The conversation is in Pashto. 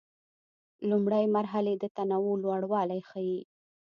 لومړۍ مرحلې د تنوع لوړوالی ښيي.